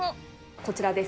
こちらです。